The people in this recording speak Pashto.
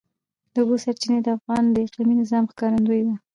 د اوبو سرچینې د افغانستان د اقلیمي نظام ښکارندوی ده.